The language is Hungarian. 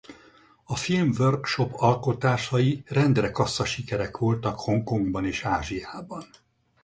A Film Workshop alkotásai rendre kasszasikerek voltak Hongkongban és Ázsiában.